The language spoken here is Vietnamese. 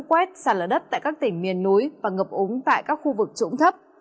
quét sạt lở đất tại các tỉnh miền núi và ngập úng tại các khu vực trũng thấp